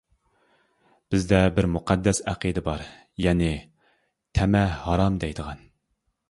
بىزدە بىر مۇقەددەس ئەقىدە بار، يەنى «تەمە ھارام» دەيدىغان.